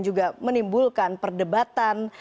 juga menimbulkan perdebatan